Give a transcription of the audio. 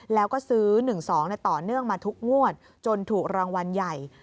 แล้วก็ซื้อ๑๒ต่อเนื่องมาทุกงวดจนถูกรางวัลใหญ่